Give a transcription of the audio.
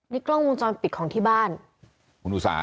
นี่กล้องมุมจอดปิดของที่บ้าน